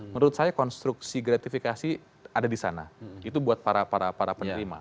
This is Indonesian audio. menurut saya konstruksi gratifikasi ada di sana itu buat para penerima